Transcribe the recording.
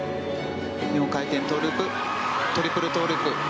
４回転トウループトリプルトウループ。